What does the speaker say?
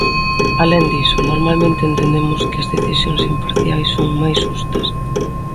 Alén diso, normalmente entendemos que as decisións imparciais son máis xustas.